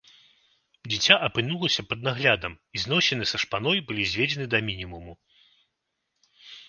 Дзіця апынулася пад наглядам, і зносіны са шпаной былі зведзены да мінімуму.